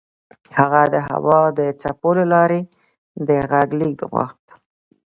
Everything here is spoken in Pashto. هغه د هوا د څپو له لارې د غږ لېږد غوښت